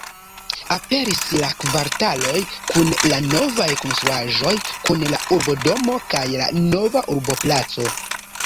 Aperis la kvartaloj kun la novaj konstruaĵoj kun la urbodomo kaj la nova urboplaco.